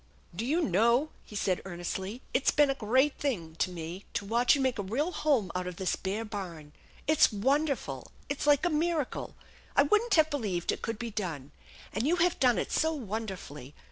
" Do you know," he said earnestly, " it's been a great thing to me to watch you make a real home out of this bare barn? It's wonderful! It's like a miracle. I wouldn't have believed it could be done. And you have done it so wonderfully!